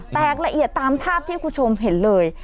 แตกละเอียดตามภาพที่คุณผู้ชมเห็นเลย